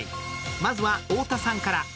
まずは、太田さんから。